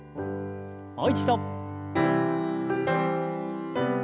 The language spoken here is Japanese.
もう一度。